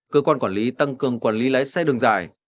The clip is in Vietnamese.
cơ quan quản lý tăng cường quản lý lái xe đường dài